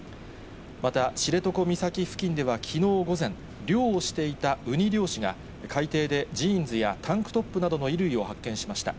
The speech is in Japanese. また、知床岬付近ではきのう午前、漁をしていたウニ漁師が、海底でジーンズやタンクトップなどの衣類を発見しました。